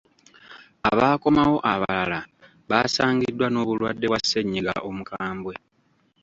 Abaakomawo abalala baasangiddwa n'obulwadde bwa ssennyiga omukambwe.